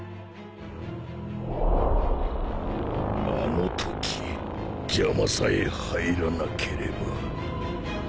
あのとき邪魔さえ入らなければ。